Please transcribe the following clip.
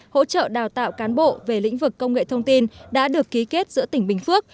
hỗ trợ đào tạo cán bộ về lĩnh vực công nghệ thông tin đã được ký kết giữa tỉnh bình phước